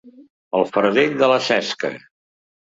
El fardell de la Cesca.